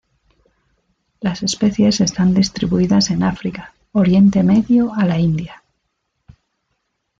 Las especies están distribuidas en África, Oriente Medio a la India.